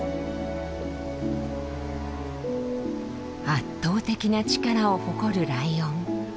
圧倒的な力を誇るライオン。